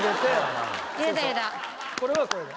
これはこれで。